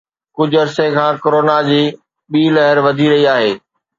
ڪجهه عرصي کان ڪرونا جي ٻي لهر وڌي رهي آهي